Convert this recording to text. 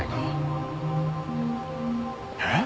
えっ！？